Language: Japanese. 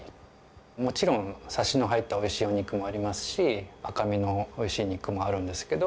もちろんサシの入ったおいしいお肉もありますし赤身のおいしい肉もあるんですけど。